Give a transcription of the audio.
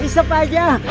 udah isep aja